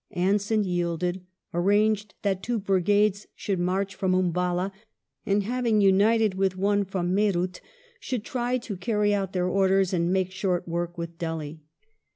Anson yielded, arranged that two brigades should march from Umballa, and, having united with one from Meerut, should try to carry out their orders and " make short work with Delhi